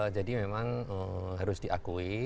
jadi memang harus diakui